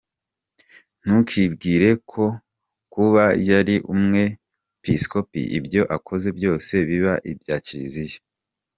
Ntukibwireko kuba yari umwepiskopi ibyo akoze byose biba ibya Kiliziya.